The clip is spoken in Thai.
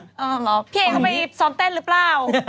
เหรอพี่เอเข้าไปซ้อมเต้นหรือเปล่า